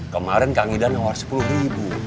kemarin kang idan ngawar sepuluh ribu